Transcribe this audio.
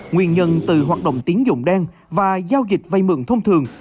nguyên nhân từ hoạt động tiếng dụng đen và giao dịch vây mượn thông thường